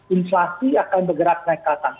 inflasi akan bergerak naik ke atas